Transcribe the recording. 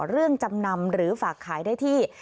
จำนำหรือฝากขายได้ที่